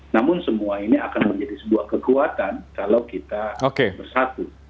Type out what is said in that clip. namun semua ini akan menjadi sebuah kekuatan kalau kita bersatu